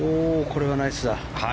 これはナイスだ。